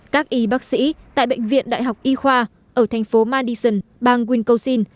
các y bác sĩ tại bệnh viện đại học y khoa ở thành phố madison bang wisconsin